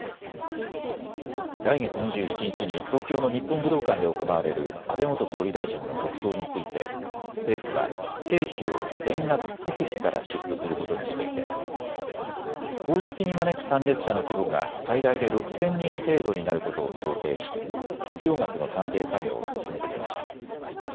来月２７日に東京の日本武道館で行われる安倍元総理大臣の国葬について政府は経費を全額国費から支出することにしていて公式に招く参列者の規模が最大で６０００人程度になることを想定し必要額の算定作業を進めてきました。